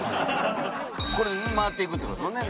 これを回っていくって事ですよね